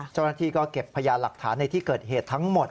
เจ้าหน้าที่ก็เก็บพยานหลักฐานในที่เกิดเหตุทั้งหมด